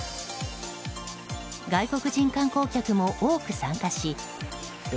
外国人観光客も多く参加しド